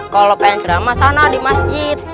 kalau pengen ceramah sana di masjid